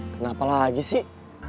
kenapa lagi sih